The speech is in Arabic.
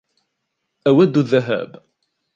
أود الذهاب.